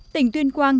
tỉnh tuyên quang